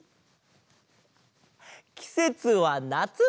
きせつはなつ！